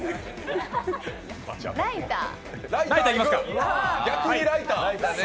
ライター。